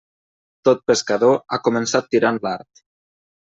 Tot pescador ha començat tirant l'art.